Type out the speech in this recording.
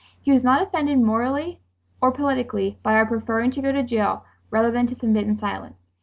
He was not offended, morally or politically, by our preferring to go to jail rather than to submit in silence.